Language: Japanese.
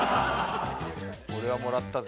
これはもらったぞ。